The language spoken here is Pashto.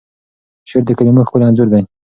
شعر د کلیمو ښکلی انځور دی.